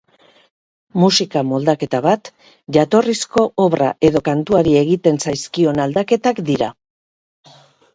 Musika moldaketa bat, jatorrizko obra edo kantuari egiten zaizkion aldaketak dira.